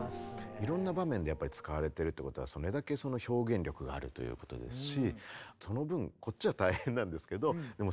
いろんな場面でやっぱり使われてるってことはそれだけ表現力があるということですしその分こっちは大変なんですけど日々ああでもない